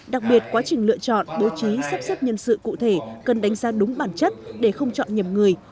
đặc biệt quá trình lựa chọn bố trí sắp xếp nhân sự cụ thể cần đánh giá đúng bản chất để không chọn nhầm người